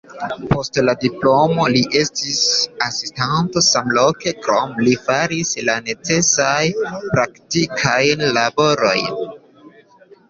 Post la diplomo li estis asistanto samloke, krome li faris la necesajn praktikajn laborojn.